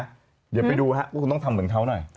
เดี๋ยวไปดูครับว่าคุณต้องทำเหมือนเขาหน่อย